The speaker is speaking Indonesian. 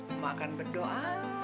emak akan berdoa